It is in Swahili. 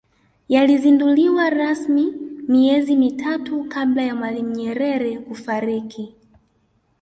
yalizinduliwa rasmi miezi mitatu kabla ya mwalimu nyerere kufariki